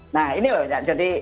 nah ini banyak